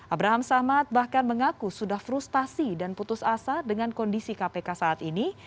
abraham samad bahkan mengaku sudah frustasi dan putus asa dengan kondisi kpk saat ini